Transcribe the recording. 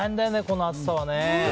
この暑さはね。